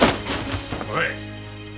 おい！